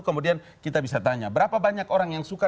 kemudian kita bisa tanya berapa banyak orang yang suka